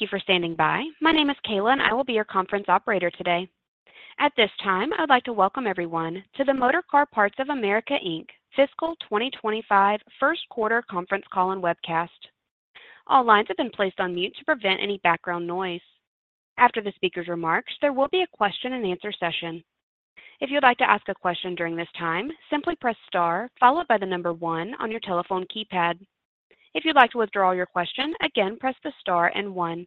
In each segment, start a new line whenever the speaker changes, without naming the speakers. Thank you for standing by. My name is Kayla, and I will be your conference operator today. At this time, I would like to welcome everyone to the Motorcar Parts of America Inc., Fiscal 2025 First Quarter Conference Call and Webcast. All lines have been placed on mute to prevent any background noise. After the speaker's remarks, there will be a question and answer session. If you'd like to ask a question during this time, simply press star followed by the number one on your telephone keypad. If you'd like to withdraw your question, again, press the star and one.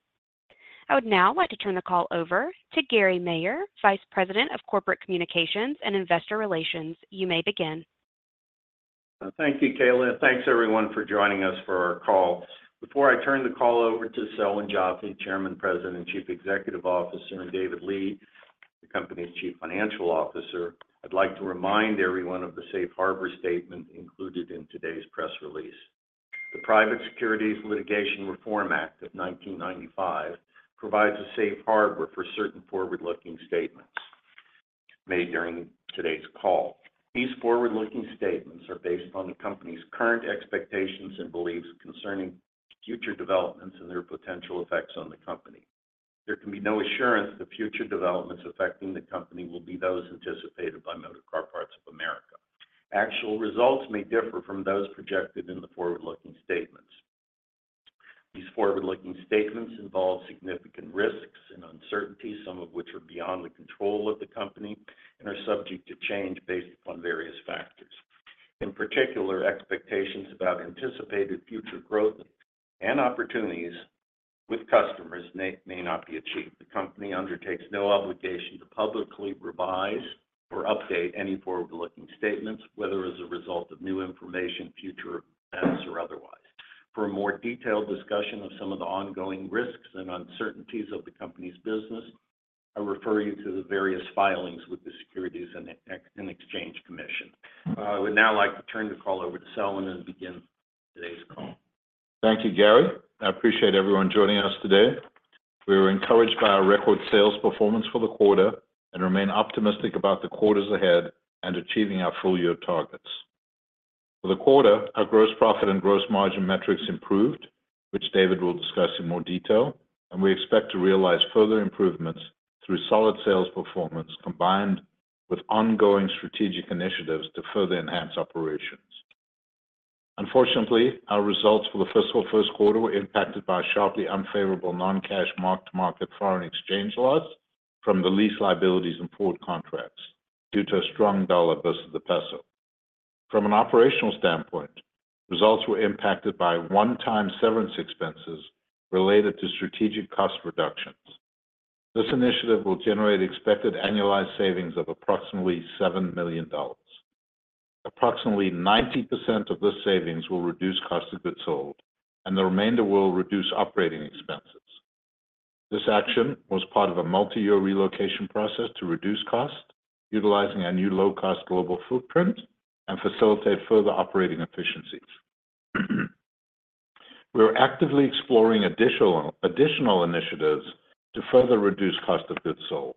I would now like to turn the call over to Gary Maier, Vice President of Corporate Communications and Investor Relations. You may begin.
Thank you, Kayla. Thanks everyone for joining us for our call. Before I turn the call over to Selwyn Joffe, Chairman, President, and Chief Executive Officer, and David Lee, the company's Chief Financial Officer, I'd like to remind everyone of the safe harbor statement included in today's press release. The Private Securities Litigation Reform Act of 1995 provides a safe harbor for certain forward-looking statements made during today's call. These forward-looking statements are based on the company's current expectations and beliefs concerning future developments and their potential effects on the company. There can be no assurance that future developments affecting the company will be those anticipated by Motorcar Parts of America. Actual results may differ from those projected in the forward-looking statements. These forward-looking statements involve significant risks and uncertainties, some of which are beyond the control of the company and are subject to change based upon various factors. In particular, expectations about anticipated future growth and opportunities with customers may, may not be achieved. The company undertakes no obligation to publicly revise or update any forward-looking statements, whether as a result of new information, future events, or otherwise. For a more detailed discussion of some of the ongoing risks and uncertainties of the company's business, I refer you to the various filings with the Securities and Exchange Commission. I would now like to turn the call over to Selwyn and begin today's call.
Thank you, Gary. I appreciate everyone joining us today. We were encouraged by our record sales performance for the quarter and remain optimistic about the quarters ahead and achieving our full-year targets. For the quarter, our gross profit and gross margin metrics improved, which David will discuss in more detail, and we expect to realize further improvements through solid sales performance, combined with ongoing strategic initiatives to further enhance operations. Unfortunately, our results for the fiscal first quarter were impacted by sharply unfavorable non-cash market foreign exchange loss from the lease liabilities and forward contracts due to a strong dollar versus the peso. From an operational standpoint, results were impacted by one-time severance expenses related to strategic cost reductions. This initiative will generate expected annualized savings of approximately $7 million. Approximately 90% of this savings will reduce cost of goods sold, and the remainder will reduce operating expenses. This action was part of a multi-year relocation process to reduce costs, utilizing our new low-cost global footprint and facilitate further operating efficiencies. We are actively exploring additional additional initiatives to further reduce cost of goods sold.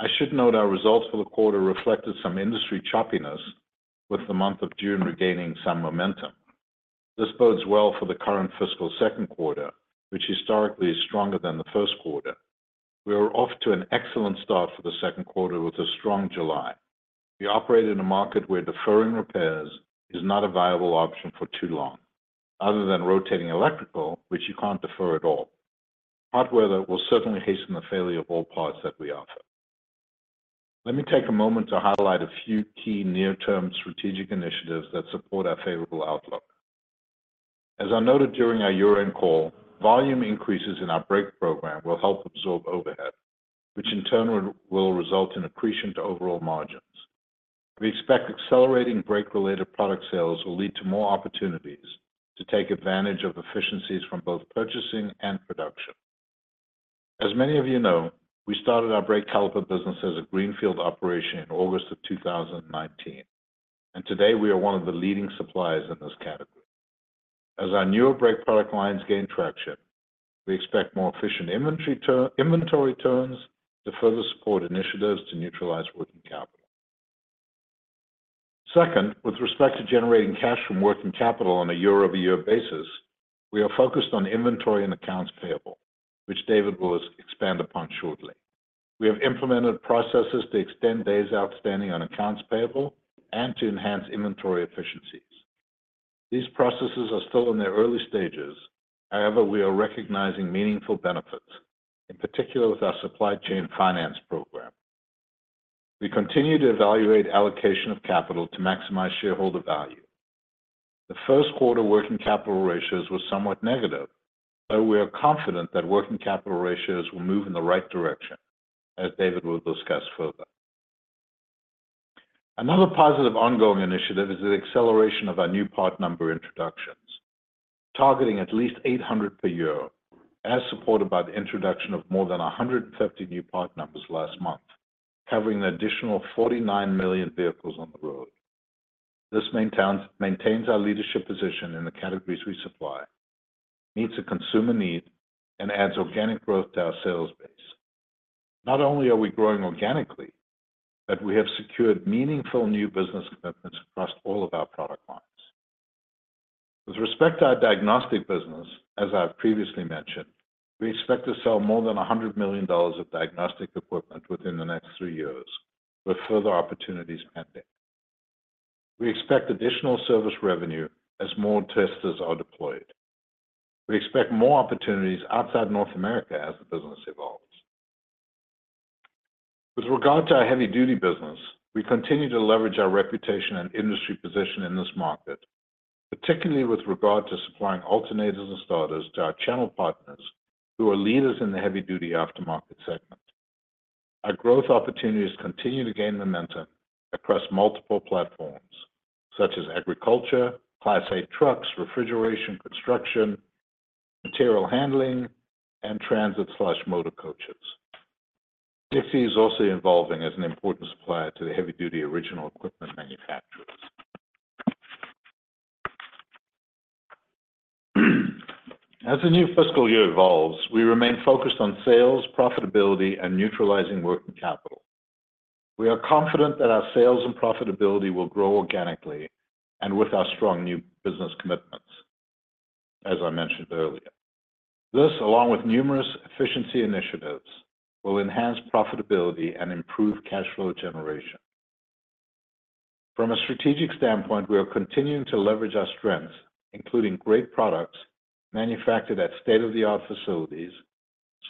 I should note our results for the quarter reflected some industry choppiness, with the month of June regaining some momentum. This bodes well for the current fiscal second quarter, which historically is stronger than the first quarter. We are off to an excellent start for the second quarter with a strong July. We operate in a market where deferring repairs is not a viable option for too long, other than rotating electrical, which you can't defer at all. Hot weather will certainly hasten the failure of all parts that we offer. Let me take a moment to highlight a few key near-term strategic initiatives that support our favorable outlook. As I noted during our year-end call, volume increases in our brake program will help absorb overhead, which in turn will result in accretion to overall margins. We expect accelerating brake-related product sales will lead to more opportunities to take advantage of efficiencies from both purchasing and production. As many of you know, we started our brake caliper business as a greenfield operation in August 2019, and today we are one of the leading suppliers in this category. As our newer brake product lines gain traction, we expect more efficient inventory turns to further support initiatives to neutralize working capital. Second, with respect to generating cash from working capital on a year-over-year basis, we are focused on inventory and accounts payable, which David will expand upon shortly. We have implemented processes to extend days outstanding on accounts payable and to enhance inventory efficiencies. These processes are still in their early stages, however, we are recognizing meaningful benefits, in particular with our supply chain finance program. We continue to evaluate allocation of capital to maximize shareholder value. The first quarter working capital ratios were somewhat negative, but we are confident that working capital ratios will move in the right direction, as David will discuss further. Another positive ongoing initiative is the acceleration of our new part number introductions, targeting at least 800 per year, as supported by the introduction of more than 150 new part numbers last month, covering an additional 49 million vehicles on the road. This maintains our leadership position in the categories we supply, meets a consumer need, and adds organic growth to our sales base. Not only are we growing organically, but we have secured meaningful new business commitments across all of our product lines. With respect to our diagnostic business, as I've previously mentioned, we expect to sell more than $100 million of diagnostic equipment within the next three years, with further opportunities pending. We expect additional service revenue as more testers are deployed. We expect more opportunities outside North America as the business evolves. With regard to our heavy duty business, we continue to leverage our reputation and industry position in this market, particularly with regard to supplying alternators and starters to our channel partners, who are leaders in the heavy duty aftermarket segment. Our growth opportunities continue to gain momentum across multiple platforms, such as agriculture, Class 8 trucks, refrigeration, construction, material handling, and transit/motor coaches. Dixie is also evolving as an important supplier to the heavy-duty original equipment manufacturers. As the new fiscal year evolves, we remain focused on sales, profitability, and neutralizing working capital. We are confident that our sales and profitability will grow organically and with our strong new business commitments, as I mentioned earlier. This, along with numerous efficiency initiatives, will enhance profitability and improve cash flow generation. From a strategic standpoint, we are continuing to leverage our strengths, including great products manufactured at state-of-the-art facilities,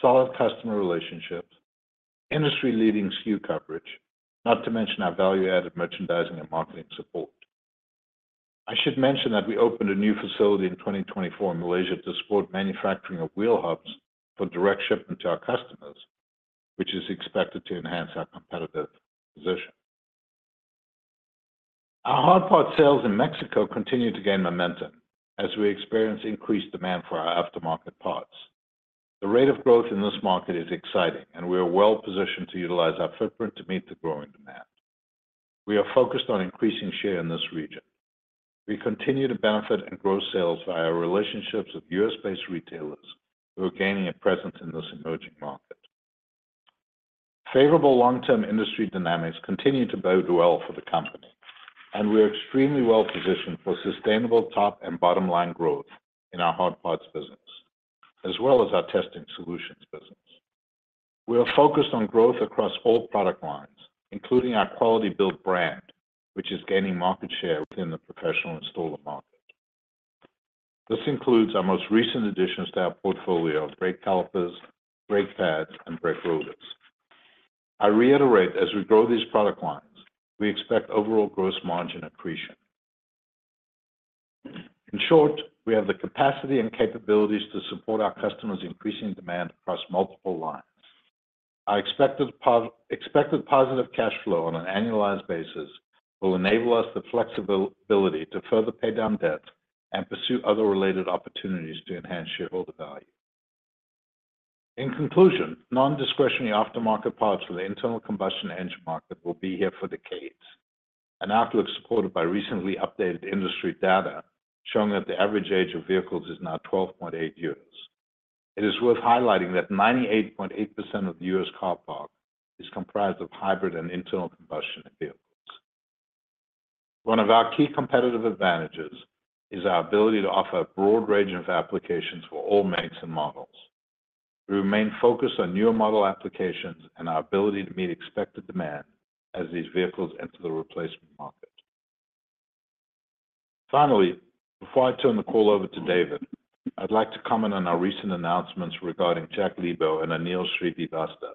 solid customer relationships, industry-leading SKU coverage, not to mention our value-added merchandising and marketing support. I should mention that we opened a new facility in 2024 in Malaysia to support manufacturing of wheel hubs for direct shipment to our customers, which is expected to enhance our competitive position. Our hard part sales in Mexico continue to gain momentum as we experience increased demand for our aftermarket parts. The rate of growth in this market is exciting, and we are well positioned to utilize our footprint to meet the growing demand. We are focused on increasing share in this region. We continue to benefit and grow sales via our relationships with U.S. based retailers who are gaining a presence in this emerging market. Favorable long-term industry dynamics continue to bode well for the company, and we are extremely well positioned for sustainable top and bottom line growth in our hard parts business, as well as our testing solutions business. We are focused on growth across all product lines, including our Quality-Built brand, which is gaining market share within the professional installer market. This includes our most recent additions to our portfolio of brake calipers, brake pads, and brake rotors. I reiterate, as we grow these product lines, we expect overall gross margin accretion. In short, we have the capacity and capabilities to support our customers' increasing demand across multiple lines. Our expected positive expected positive cash flow on an annualized basis will enable us the flexibility to further pay down debt and pursue other related opportunities to enhance shareholder value. In conclusion, non-discretionary aftermarket parts for the internal combustion engine market will be here for decades. An outlook supported by recently updated industry data showing that the average age of vehicles is now 12.8 years. It is worth highlighting that 98.8% of the U.S. car park is comprised of hybrid and internal combustion vehicles. One of our key competitive advantages is our ability to offer a broad range of applications for all makes and models. We remain focused on newer model applications and our ability to meet expected demand as these vehicles enter the replacement market. Finally, before I turn the call over to David, I'd like to comment on our recent announcements regarding F. Jack Liebau, Jr. and Anil Shrivastava,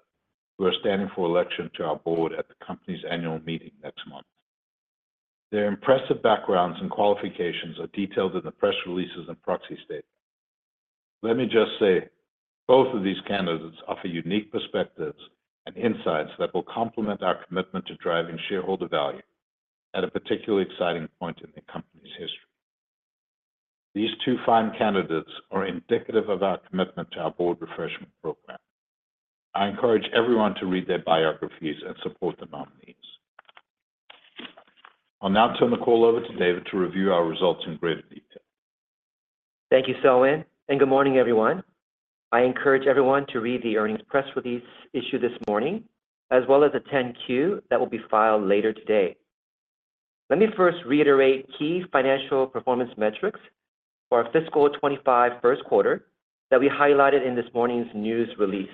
who are standing for election to our board at the company's annual meeting next month. Their impressive backgrounds and qualifications are detailed in the press releases and proxy statement. Let me just say, both of these candidates offer unique perspectives and insights that will complement our commitment to driving shareholder value at a particularly exciting point in the company's history. These two fine candidates are indicative of our commitment to our board refreshment program. I encourage everyone to read their biographies and support the nominees. I'll now turn the call over to David to review our results in greater detail.
Thank you, Selwyn, and good morning, everyone. I encourage everyone to read the earnings press release issued this morning, as well as the 10-Q that will be filed later today. Let me first reiterate key financial performance metrics for our fiscal 2025 first quarter that we highlighted in this morning's news release.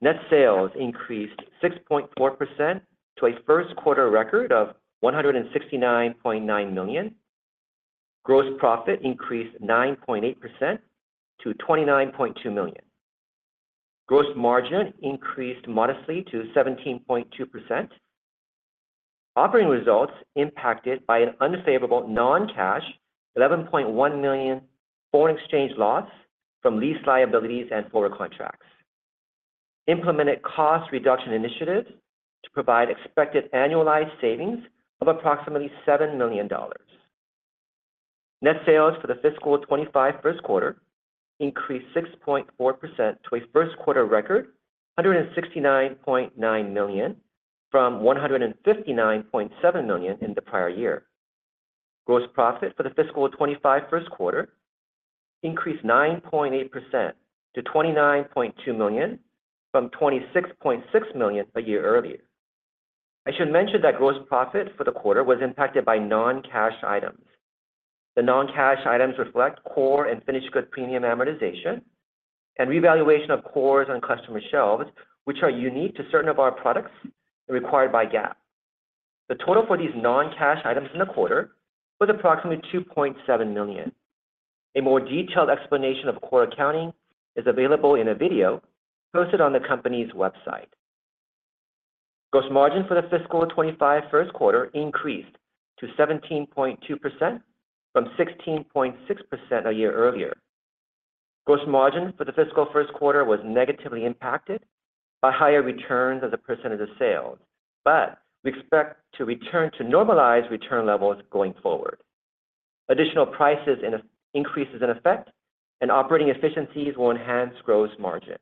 Net sales increased 6.4% to a first quarter record of $169.9 million. Gross profit increased 9.8% to $29.2 million. Gross margin increased modestly to 17.2%. Operating results impacted by an unfavorable non-cash $11.1 million foreign exchange loss from lease liabilities and forward contracts. Implemented cost reduction initiatives to provide expected annualized savings of approximately $7 million. Net sales for the fiscal 2025 first quarter increased 6.4% to a first quarter record of $169.9 million from $159.7 million in the prior year. Gross profit for the fiscal 2025 first quarter increased 9.8% to $29.2 million from $26.6 million a year earlier. I should mention that gross profit for the quarter was impacted by non-cash items. The non-cash items reflect core and finished goods premium amortization and revaluation of cores on customer shelves, which are unique to certain of our products and required by GAAP. The total for these non-cash items in the quarter was approximately $2.7 million. A more detailed explanation of core accounting is available in a video posted on the company's website. Gross margin for the fiscal 2025 first quarter increased to 17.2% from 16.6% a year earlier. Gross margin for the fiscal first quarter was negatively impacted by higher returns as a percentage of sales, but we expect to return to normalized return levels going forward. Additional prices and increases in effect and operating efficiencies will enhance gross margin.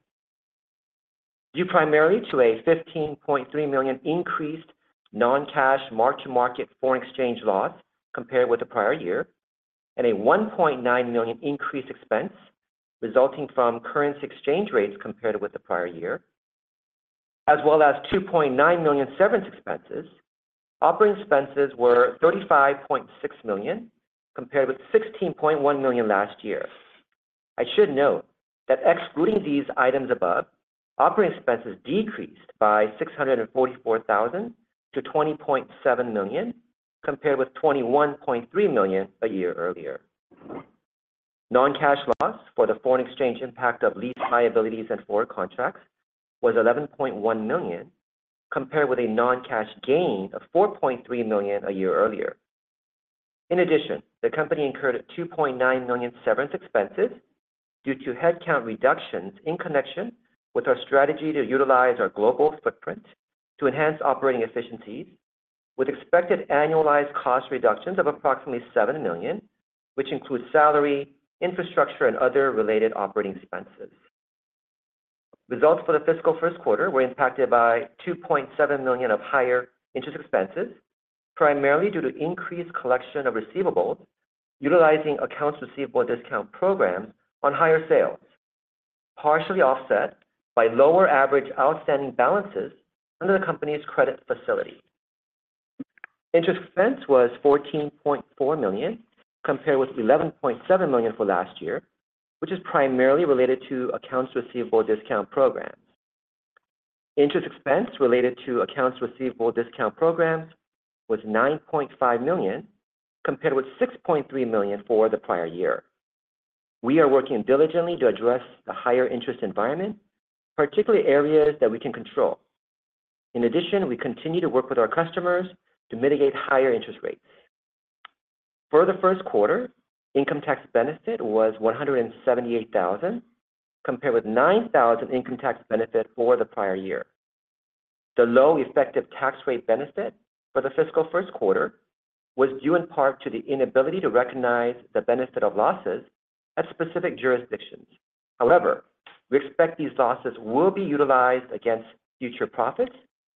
Due primarily to a $15.3 million increased non-cash mark-to-market foreign exchange loss compared with the prior year, and a $1.9 million increased expense resulting from currency exchange rates compared with the prior year, as well as $2.9 million severance expenses, operating expenses were $35.6 million, compared with $16.1 million last year. I should note that excluding these items above, operating expenses decreased by $644,000 to $20.7 million, compared with $21.3 million a year earlier. Non-cash loss for the foreign exchange impact of lease liabilities and forward contracts was $11.1 million, compared with a non-cash gain of $4.3 million a year earlier. In addition, the company incurred a $2.9 million severance expenses due to headcount reductions in connection with our strategy to utilize our global footprint to enhance operating efficiencies, with expected annualized cost reductions of approximately $7 million, which includes salary, infrastructure, and other related operating expenses. Results for the fiscal first quarter were impacted by $2.7 million of higher interest expenses, primarily due to increased collection of receivables utilizing accounts receivable discount programs on higher sales, partially offset by lower average outstanding balances under the company's credit facility. Interest expense was $14.4 million, compared with $11.7 million for last year, which is primarily related to accounts receivable discount programs. Interest expense related to accounts receivable discount programs was $9.5 million, compared with $6.3 million for the prior year. We are working diligently to address the higher interest environment, particularly areas that we can control. In addition, we continue to work with our customers to mitigate higher interest rates. For the first quarter, income tax benefit was $178,000 compared with $9,000 income tax benefit for the prior year. The low effective tax rate benefit for the fiscal first quarter was due in part to the inability to recognize the benefit of losses at specific jurisdictions. However, we expect these losses will be utilized against future profits,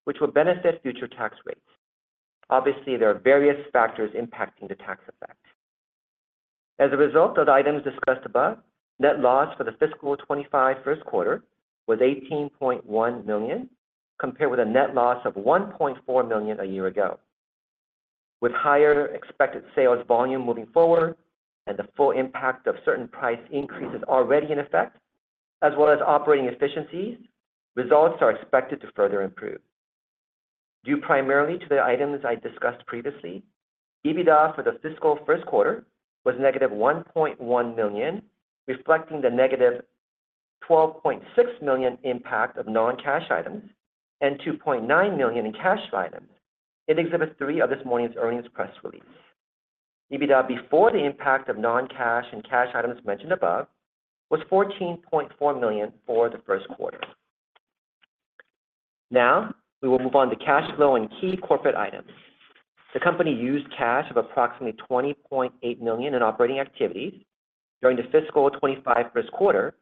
which will benefit future tax rates. Obviously, there are various factors impacting the tax effect. As a result of the items discussed above, net loss for the fiscal 2025 first quarter was $18.1 million, compared with a net loss of $1.4 million a year ago. With higher expected sales volume moving forward and the full impact of certain price increases already in effect, as well as operating efficiencies, results are expected to further improve. Due primarily to the items I discussed previously, EBITDA for the fiscal first quarter was -$1.1 million, reflecting the -$12.6 million impact of non-cash items and $2.9 million in cash items. In Exhibit 3 of this morning's earnings press release, EBITDA, before the impact of non-cash and cash items mentioned above, was $14.4 million for the first quarter. Now, we will move on to cash flow and key corporate items. The company used cash of approximately $20.8 million in operating activities during the fiscal 2025 first quarter,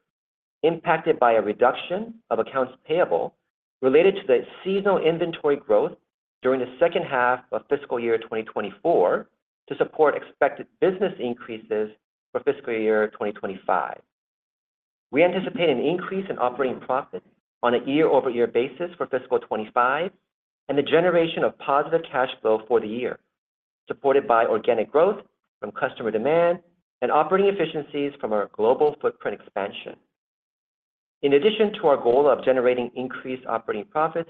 impacted by a reduction of accounts payable related to the seasonal inventory growth during the second half of fiscal year 2024 to support expected business increases for fiscal year 2025. We anticipate an increase in operating profit on a year-over-year basis for fiscal 2025 and the generation of positive cash flow for the year, supported by organic growth from customer demand and operating efficiencies from our global footprint expansion. In addition to our goal of generating increased operating profits,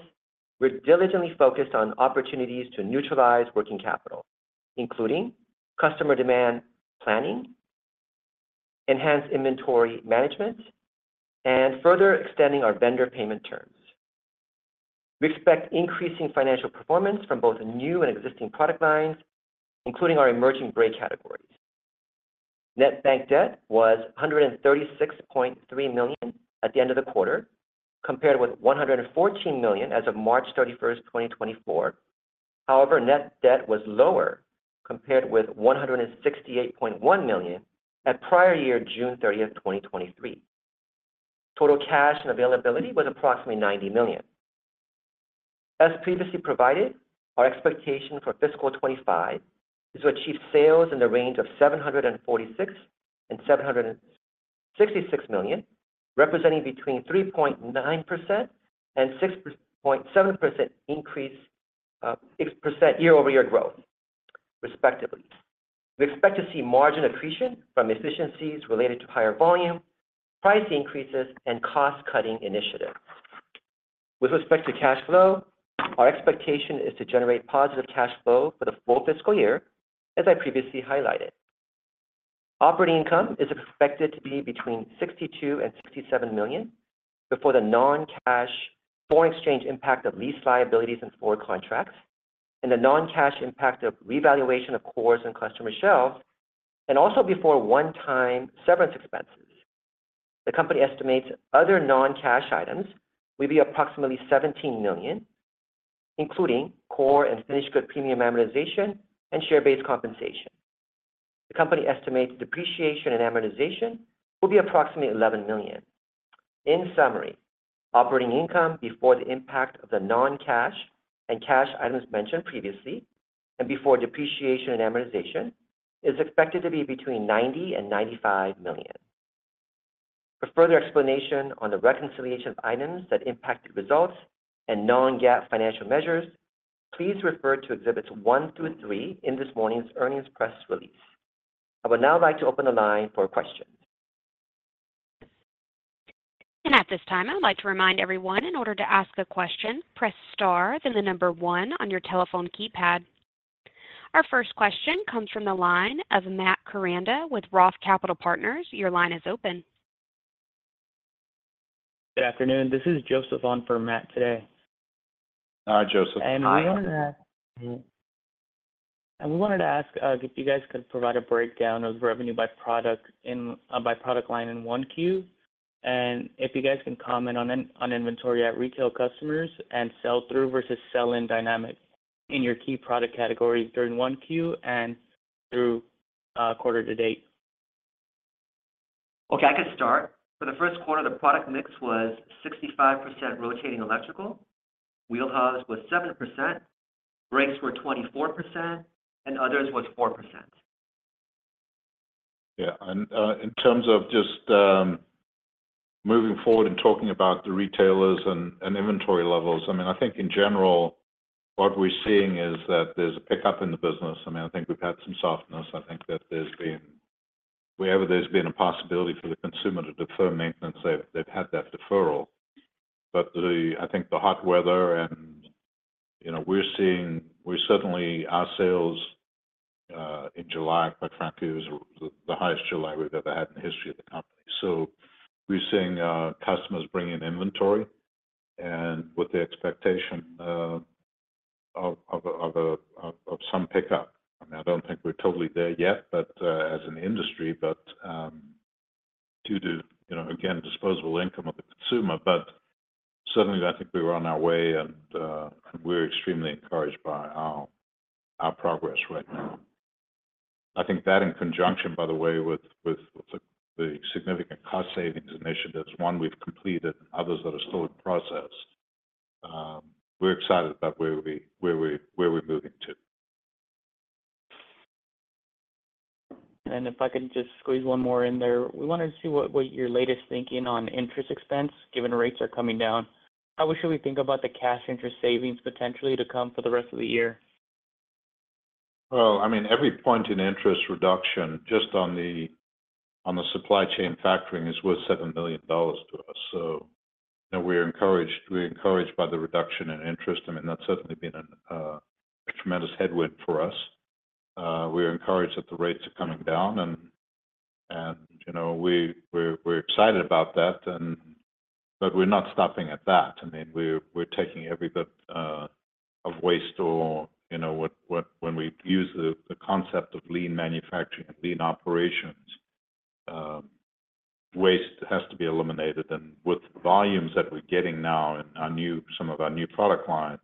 we're diligently focused on opportunities to neutralize working capital, including customer demand planning, enhanced inventory management, and further extending our vendor payment terms. We expect increasing financial performance from both new and existing product lines, including our emerging brake categories. Net bank debt was $136.3 million at the end of the quarter, compared with $114 million as of March 31st, 2024. However, net debt was lower, compared with $168.1 million at prior year, June 30th, 2023. Total cash and availability was approximately $90 million.... As previously provided, our expectation for fiscal 2025 is to achieve sales in the range of $746 million-$766 million, representing between 3.9% and 6.7% increase, six percent year-over-year growth, respectively. We expect to see margin accretion from efficiencies related to higher volume, price increases, and cost-cutting initiatives. With respect to cash flow, our expectation is to generate positive cash flow for the full fiscal year, as I previously highlighted. Operating income is expected to be between $62 million-$67 million, before the non-cash foreign exchange impact of lease liabilities and forward contracts, and the non-cash impact of revaluation of cores and customer shelves, and also before one-time severance expenses. The company estimates other non-cash items will be approximately $17 million, including core and finished good premium amortization and share-based compensation. The company estimates depreciation and amortization will be approximately $11 million. In summary, operating income before the impact of the non-cash and cash items mentioned previously, and before depreciation and amortization, is expected to be between $90 million and $95 million. For further explanation on the reconciliation of items that impacted results and non-GAAP financial measures, please refer to Exhibits 1 through 3 in this morning's earnings press release. I would now like to open the line for questions.
At this time, I'd like to remind everyone, in order to ask a question, press star, then the number one on your telephone keypad. Our first question comes from the line of Matt Koranda with Roth Capital Partners. Your line is open.
Good afternoon. This is Joseph on for Matt today.
Hi, Joseph.
I wanted to ask if you guys could provide a breakdown of revenue by product, by product line in 1Q. And if you guys can comment on inventory at retail customers and sell-through versus sell-in dynamic in your key product categories during 1Q and through quarter to date.
Okay, I could start. For the first quarter, the product mix was 65% rotating electrical, wheel hubs was 7%, brakes were 24%, and others was 4%.
Yeah, and, in terms of just, moving forward and talking about the retailers and and inventory levels, I mean, I think in general, what we're seeing is that there's a pickup in the business. I mean, I think we've had some softness. I think that there's been, wherever there's been a possibility for the consumer to defer maintenance, they've had that deferral. But the, I think the hot weather and, you know, we're seeing - we're certainly, our sales in July, quite frankly, it was the highest July we've ever had in the history of the company. So we're seeing, customers bring in inventory and with the expectation of of some pickup. I mean, I don't think we're totally there yet, but, as an industry, but, due to, you know, again, disposable income of the consumer. But certainly, I think we're on our way, and we're extremely encouraged by our our progress right now. I think that in conjunction, by the way, with the significant cost savings initiatives, one we've completed and others that are still in process, we're excited about where we're where we're moving to.
And if I could just squeeze one more in there. We wanted to see what, what your latest thinking on interest expense, given rates are coming down? How should we think about the cash interest savings potentially to come for the rest of the year?
Well, I mean, every point in interest reduction, just on the, on the supply chain factoring, is worth $7 million to us. So, you know, we're encouraged, we're encouraged by the reduction in interest. I mean, that's certainly been a tremendous headwind for us. We're encouraged that the rates are coming down, and, and, you know, we're, we're excited about that and... but we're not stopping at that. I mean, we're, we're taking every bit of waste or, you know, what what When we use the concept of lean manufacturing and lean operations, waste has to be eliminated. And with the volumes that we're getting now in our new, some of our new product lines,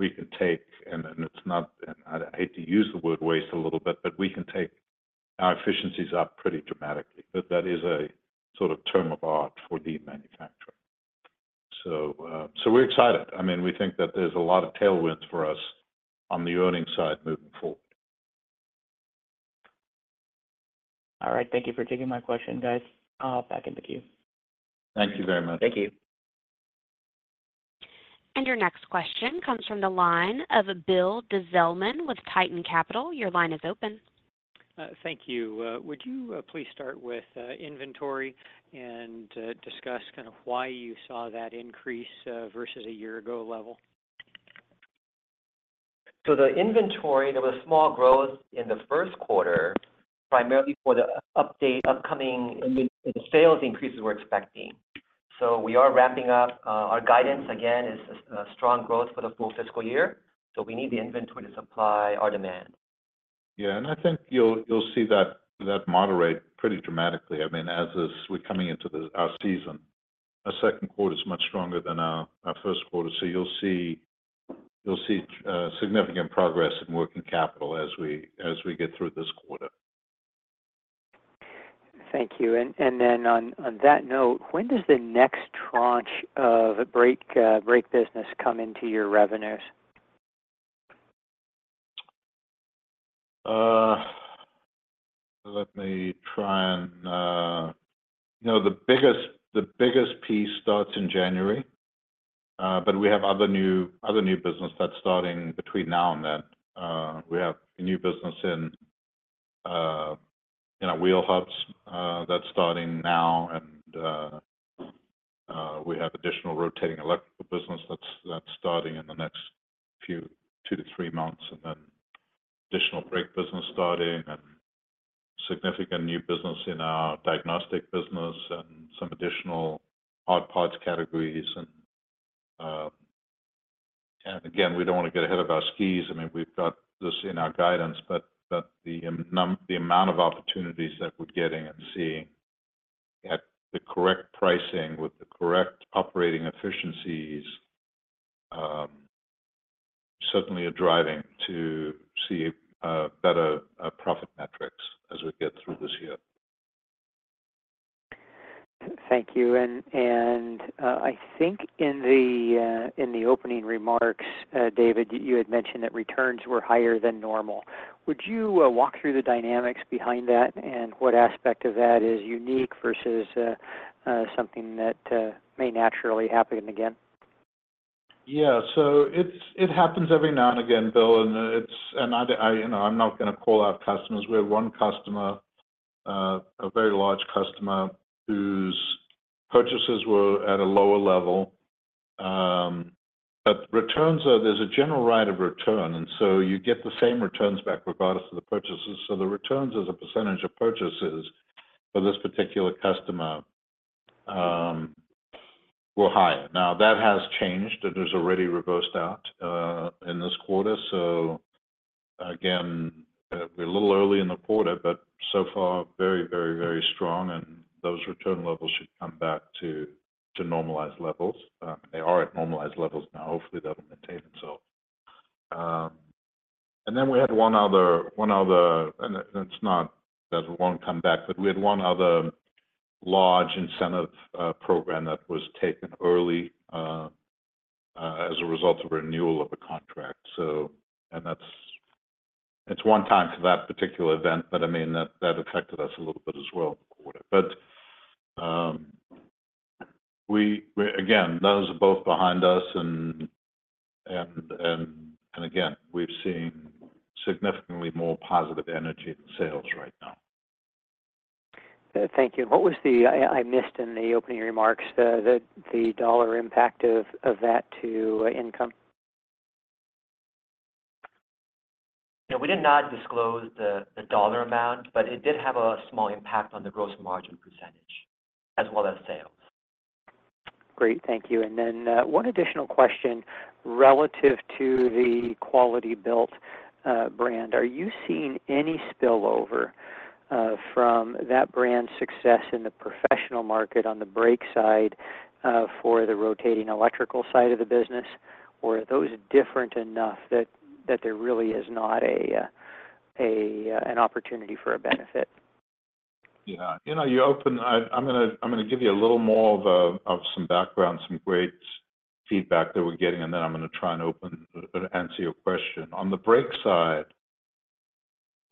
we can take, and then, it's not, and I hate to use the word waste a little bit, but we can take our efficiencies up pretty dramatically. But that is a sort of term of art for lean manufacturing. So, so we're excited. I mean, we think that there's a lot of tailwinds for us on the earnings side moving forward.
All right. Thank you for taking my question, guys. I'll back in the queue.
Thank you very much.
Thank you.
Your next question comes from the line of Bill Dezellem with Tieton Capital. Your line is open.
Thank you. Would you please start with inventory and discuss kind of why you saw that increase versus a year ago level?
So the inventory, there was small growth in the first quarter, primarily for the anticipated upcoming sales increases we're expecting. So we are ramping up. Our guidance, again, is strong growth for the full fiscal year, so we need the inventory to supply our demand.
Yeah, and I think you'll you'll see that moderate pretty dramatically. I mean, as we're coming into our season. Our second quarter is much stronger than our first quarter, so you'll see you'll see significant progress in working capital as we as we get through this quarter.
Thank you. And and then on that note, when does the next tranche of the brake brake business come into your revenues?
Let me try and... You know, the biggest, the biggest piece starts in January, but we have other new, other new business that's starting between now and then. We have a new business in our wheel hubs that's starting now, and we have additional rotating electrical business that's starting in the next few, two to three months, and then additional brake business starting, and significant new business in our diagnostic business, and some additional odd parts categories. And again, we don't want to get ahead of our skis. I mean, we've got this in our guidance, but but the amount of opportunities that we're getting and seeing at the correct pricing with the correct operating efficiencies certainly are driving to see better profit metrics as we get through this year.
Thank you. And and I think in the in the opening remarks, David, you had mentioned that returns were higher than normal. Would you walk through the dynamics behind that, and what aspect of that is unique versus something that may naturally happen again?
You know, so its its happens every now and again, Bill, and it's, and I, you know, I'm not gonna call out customers. We have one customer, a very large customer whose purchases were at a lower level. But returns are. There's a general right of return, and so you get the same returns back regardless of the purchases. So the returns as a percentage of purchases for this particular customer were higher. Now, that has changed, it has already reversed out in this quarter. So again, we're a little early in the quarter, but so far, very, very, very strong, and those return levels should come back to to normalized levels. They are at normalized levels now. Hopefully, that will maintain itself. And then we had one other, one other... It's not, doesn't, won't come back, but we had one other large incentive program that was taken early as a result of renewal of a contract. So, and that's. It's one time for that particular event, but I mean, that affected us a little bit as well. But we we're again, those are both behind us and again, we've seen significantly more positive energy in sales right now.
Thank you. What was the... I missed in the opening remarks, the dollar impact of of that to income?
Yeah, we did not disclose the dollar amount, but it did have a small impact on the gross margin percentage as well as sales.
Great, thank you. And then, one additional question relative to the Quality-Built brand. Are you seeing any spillover from that brand's success in the professional market on the brake side for the rotating electrical side of the business? Or are those different enough that that there really is not an opportunity for a benefit?
Yeah. You know, I'm Im gonna give you a little more of some background, some great feedback that we're getting, and then I'm gonna try and open... answer your question. On the brake side,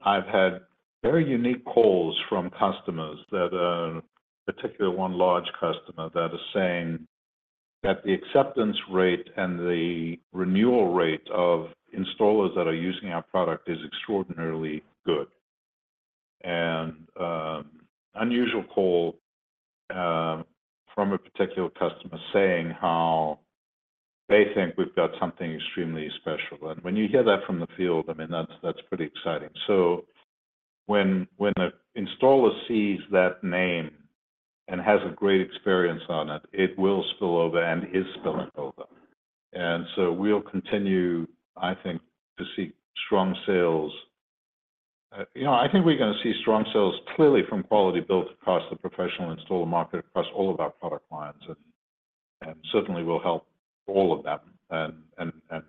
I've had very unique calls from customers that, particularly one large customer, that are saying that the acceptance rate and the renewal rate of installers that are using our product is extraordinarily good. And, unusual call, from a particular customer saying how they think we've got something extremely special. And when you hear that from the field, I mean, that's, that's pretty exciting. So when, when a installer sees that name and has a great experience on it, it will spill over and is spilling over. And so we'll continue, I think, to see strong sales. You know, I think we're gonna see strong sales clearly from Quality-Built across the professional installer market, across all of our product lines, and certainly will help all of them. And and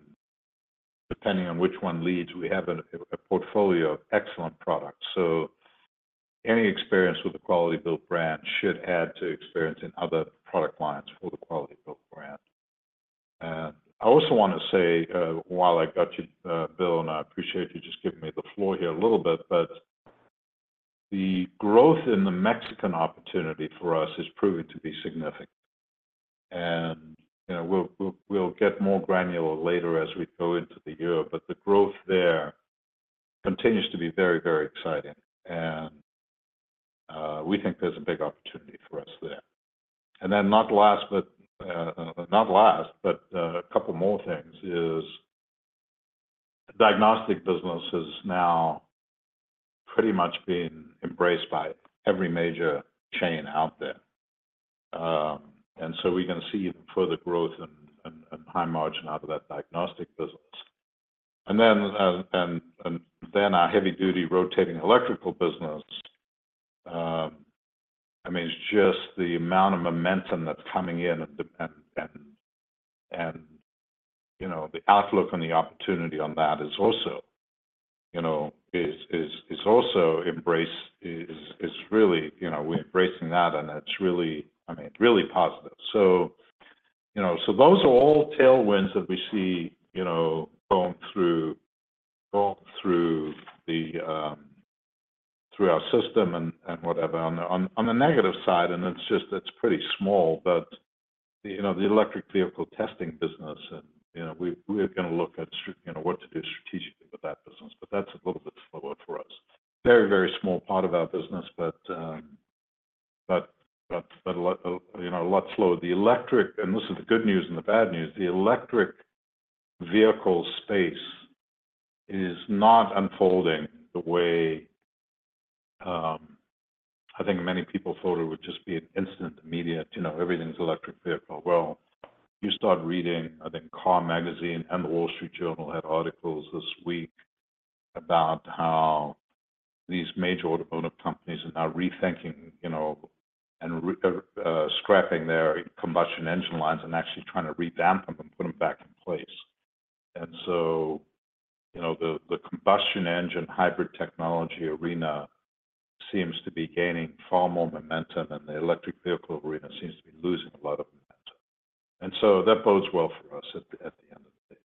depending on which one leads, we have a portfolio of excellent products. So any experience with the Quality-Built brand should add to experience in other product lines for the Quality-Built brand. And I also want to say, while I got you, Bill, and I appreciate you just giving me the floor here a little bit, but the growth in the Mexican opportunity for us has proven to be significant. And, you know, we'll we'll get more granular later as we go into the year, but the growth there continues to be very, very exciting, and we think there's a big opportunity for us there. And then not last, but not last, but a couple more things is, the diagnostic business is now pretty much being embraced by every major chain out there. And so we're gonna see further growth and high margin out of that diagnostic business. And then our heavy duty rotating electrical business, I mean, it's just the amount of momentum that's coming in. And, you know, the outlook and the opportunity on that is also, you know, is is is also embraced is is really, you know, we're embracing that, and it's really, I mean, really positive. So, you know, so those are all tailwinds that we see, you know, going through walk through the through our system and and whatever. On the negative side, and it's just, it's pretty small, but you know, the electric vehicle testing business and, you know, we're gonna look at you know, what to do strategically with that business, but that's a little bit slower for us. Very, very small part of our business, but but a lot, you know, a lot slower. The electric vehicle space is not unfolding the way I think many people thought it would just be an instant, immediate, you know, everything's electric vehicle. Well, you start reading, I think, Car Magazine and The Wall Street Journal had articles this week about how these major automotive companies are now rethinking, you know, and scrapping their combustion engine lines and actually trying to revamp them and put them back in place. And so, you know, the the combustion engine hybrid technology arena seems to be gaining far more momentum, and the electric vehicle arena seems to be losing a lot of momentum. And so that bodes well for us at the end of the day.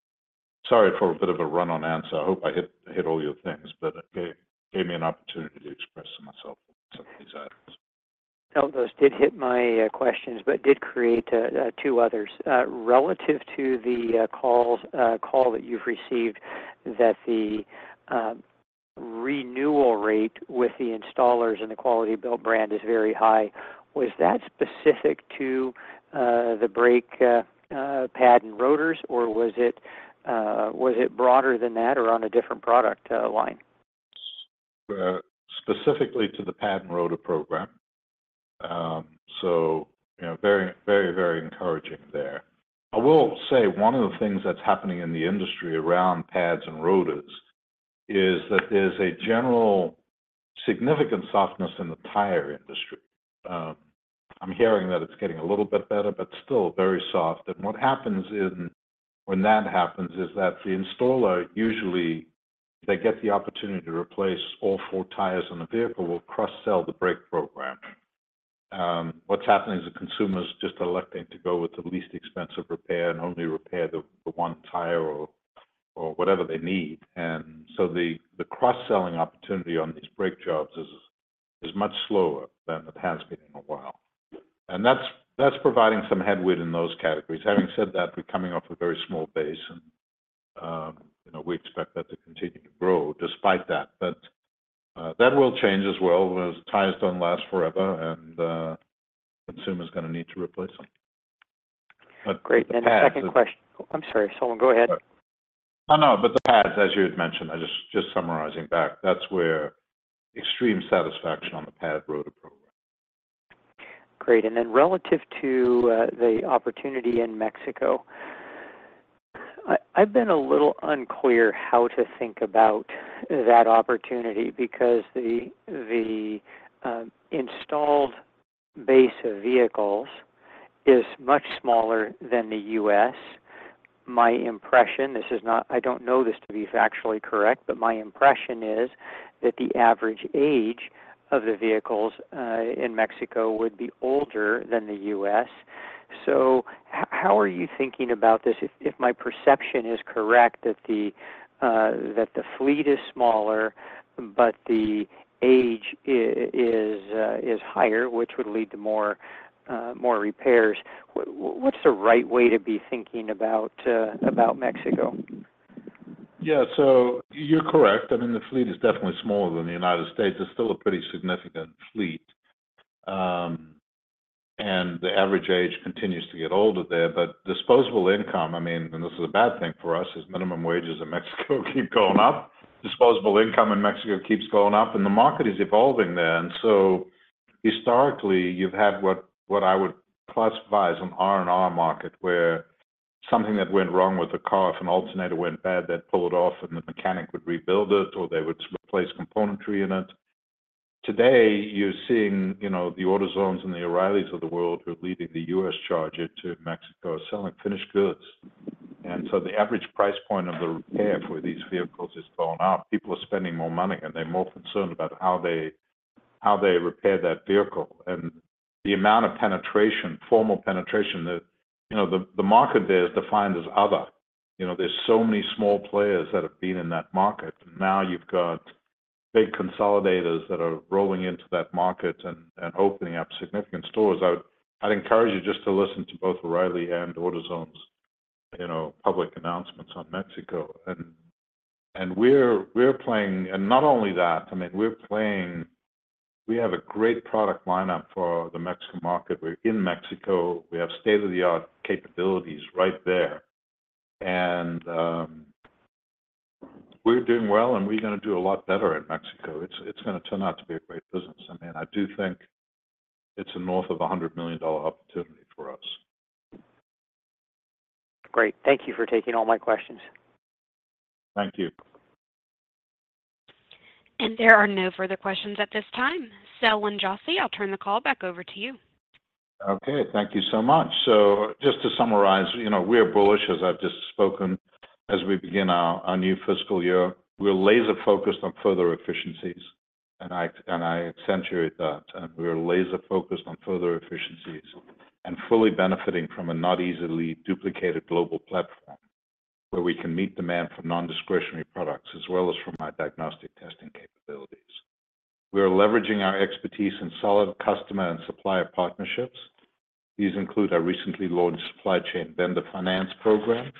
Sorry for a bit of a run-on answer. I hope I hit all your things, but it gave me an opportunity to express myself on some of these items.
No, those did hit my questions, but did create two others. Relative to the call that call you've received, that the renewal rate with the installers and the Quality-Built brand is very high. Was that specific to the brake pad and rotors, or was it was it broader than that or on a different product line?
Well, specifically to the pad and rotor program. So, you know, very, very, very encouraging there. I will say one of the things that's happening in the industry around pads and rotors is that there's a general significant softness in the tire industry. I'm hearing that it's getting a little bit better, but still very soft. And what happens is when that happens is that the installer, usually, they get the opportunity to replace all four tires on the vehicle, will cross-sell the brake program. What's happening is the consumer is just electing to go with the least expensive repair and only repair the one tire or or whatever they need. And so the cross-selling opportunity on these brake jobs is is much slower than it has been in a while. And that's that's providing some headwind in those categories. Having said that, we're coming off a very small base, and you know, we expect that to continue to grow despite that. But that will change as well, as tires don't last forever, and consumer is gonna need to replace them.
Great.
But the pads-
The second question... I'm sorry, Selwyn, go ahead.
Oh, no. But the pads, as you had mentioned, I just summarizing back, that's where extreme satisfaction on the pad rotor program.
Great. Then relative to the opportunity in Mexico, I've been a little unclear how to think about that opportunity because the the installed base of vehicles is much smaller than the U.S.. My impression, I don't know this to be factually correct, but my impression is that the average age of the vehicles in Mexico would be older than the U.S.. So how how are you thinking about this? If my perception is correct, that the that the fleet is smaller, but the age is higher, which would lead to more repairs, what's the right way to be thinking about about Mexico?
Yeah. So you're correct. I mean, the fleet is definitely smaller than the United States. It's still a pretty significant fleet. And the average age continues to get older there, but disposable income, I mean, and this is a bad thing for us, is minimum wages in Mexico keep going up, disposable income in Mexico keeps going up, and the market is evolving there. And so historically, you've had what, what I would classify as an R&R market where something that went wrong with the car, if an alternator went bad, they'd pull it off, and the mechanic would rebuild it, or they would replace componentry in it. Today, you're seeing, you know, the AutoZones and the O'Reilly's of the world who are leading the U.S. charge into Mexico, are selling finished goods. And so the average price point of the repair for these vehicles is going up. People are spending more money, and they're more concerned about how they, how they repair that vehicle. And the amount of penetration, formal penetration that, you know, the, the market there is defined as other. You know, there's so many small players that have been in that market. Now you've got big consolidators that are rolling into that market and, and opening up significant stores. I would, I'd encourage you just to listen to both O'Reilly and AutoZone's, you know, public announcements on Mexico. And, and we're, we're playing. And not only that, I mean, we're playing, we have a great product lineup for the Mexican market. We're in Mexico. We have state-of-the-art capabilities right there. And, we're doing well, and we're gonna do a lot better in Mexico. It's, it's gonna turn out to be a great business. I mean, I do think it's north of $100 million opportunity for us.
Great. Thank you for taking all my questions.
Thank you.
There are no further questions at this time. Selwyn Joffe, I'll turn the call back over to you.
Okay. Thank you so much. So just to summarize, you know, we are bullish, as I've just spoken, as we begin our our new fiscal year. We're laser-focused on further efficiencies, and I and I accentuate that. We are laser-focused on further efficiencies and fully benefiting from a not easily duplicated global platform, where we can meet demand for non-discretionary products as well as from our diagnostic testing capabilities. We are leveraging our expertise in solid customer and supplier partnerships. These include our recently launched supply chain vendor finance program,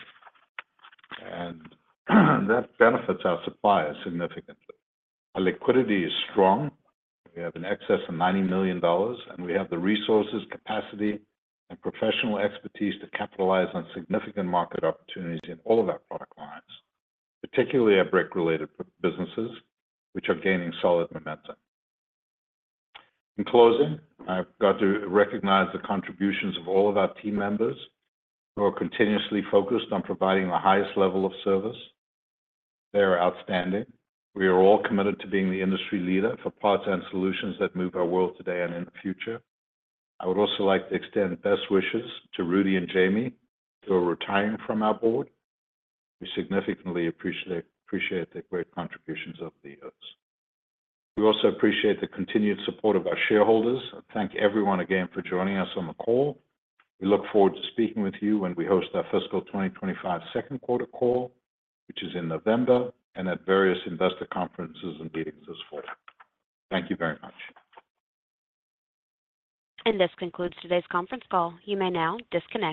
and that benefits our suppliers significantly. Our liquidity is strong. We have an excess of $90 million, and we have the resources, capacity, and professional expertise to capitalize on significant market opportunities in all of our product lines, particularly our brake-related businesses, which are gaining solid momentum. In closing, I've got to recognize the contributions of all of our team members who are continuously focused on providing the highest level of service. They are outstanding. We are all committed to being the industry leader for parts and solutions that move our world today and in the future. I would also like to extend best wishes to Rudy and Jamie, who are retiring from our board. We significantly appreciate, appreciate the great contributions of leaders. We also appreciate the continued support of our shareholders, and thank everyone again for joining us on the call. We look forward to speaking with you when we host our fiscal 2025 second quarter call, which is in November, and at various investor conferences and meetings this fall. Thank you very much.
And this concludes today's conference call. You may now disconnect.